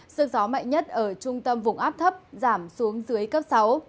sức gió mạnh nhất ở trung tâm vùng áp thấp giảm xuống dưới cấp sáu